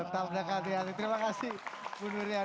terima kasih bu nurian